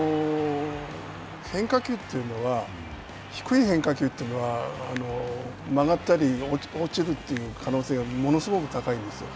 変化球というのは低い変化球というのは、曲がったり落ちるという可能性がものすごく高いんですよ。